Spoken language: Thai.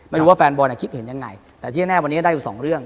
ไม่รู้ว่าแฟนบอลคิดเห็นยังไงแต่ที่แน่วันนี้ได้อยู่สองเรื่อง